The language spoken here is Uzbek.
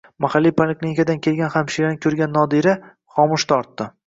Mahalliy poliklinikadan kelgan hamshirani ko`rgan Nodira xomush tortdi